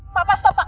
pak pak stop pak